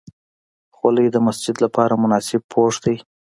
خولۍ د مسجد لپاره مناسب پوښ دی.